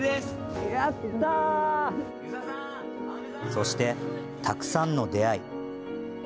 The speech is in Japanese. そして、たくさんの出会い。